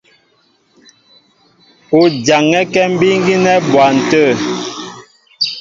U jaŋɛ́kɛ́ mbíí gínɛ́ á bwan tə̂.